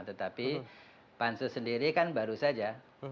tetapi pansus sendiri kan baru saja